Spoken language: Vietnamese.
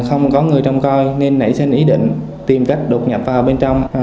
không có người trông coi nên nảy sinh ý định tìm cách đột nhập vào bên trong